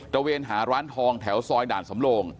ระเวนหาร้านทองแถวซอยด่านสำโลง